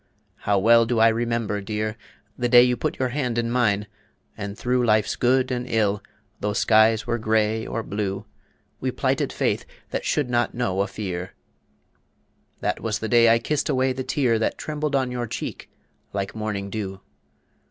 How well do I remember, dear, The day you put your hand in mine, and through Life's good and ill, tho' skies were gray or blue, We plighted faith that should not know a fear. That was the day I kissed away the tear That trembled on your cheek like morning dew.